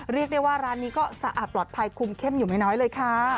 เรียกได้ว่าร้านนี้ก็สะอาดปลอดภัยคุมเข้มอยู่ไม่น้อยเลยค่ะ